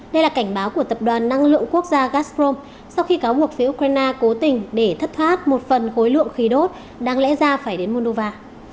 đây là cảnh báo của tập đoàn năng lượng quốc gia gastrom sau khi cáo buộc phía ukraine cố tình để thất thoát một phần khối lượng khí đốt đang lẽ ra phải đến moldova